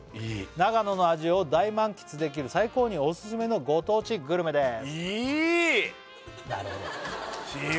「長野の味を大満喫できる」「最高にオススメのご当地グルメです」